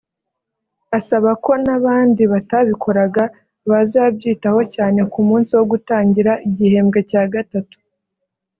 asaba ko n’abandi batabikoraga bazabyitaho cyane ku munsi wo gutangira igihembwe cya gatatu